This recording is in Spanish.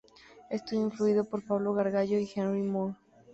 Estuvo influido por Pablo Gargallo y Henry Moore.